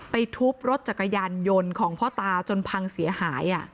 ทุบรถจักรยานยนต์ของพ่อตาจนพังเสียหาย